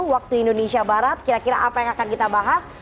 waktu indonesia barat kira kira apa yang akan kita bahas